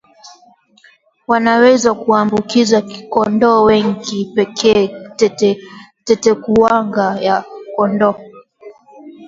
wanaweza kuwaambukiza kondoo wengine pekee tetekuwanga ya kondoo